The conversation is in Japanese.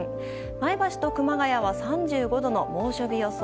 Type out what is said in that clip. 前橋と熊谷は３５度の猛暑日予想。